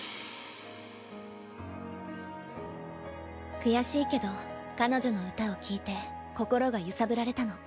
悔しいけど彼女の歌を聴いて心が揺さぶられたの。